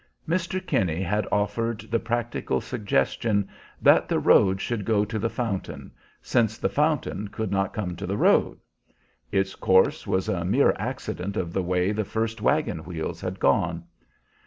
Mr. Kinney had offered the practical suggestion that the road should go to the fountain, since the fountain could not come to the road. Its course was a mere accident of the way the first wagon wheels had gone.